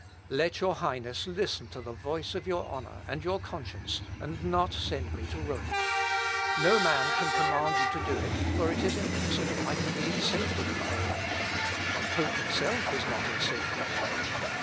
"Let your Highness listen to the voice of your honour and your conscience, and not send me to Rome. No man can command you to do it, for it is impossible I can be in safety at Rome. The pope himself is not in safety there.